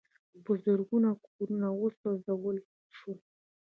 په زرګونو کورونه وسوځول شول.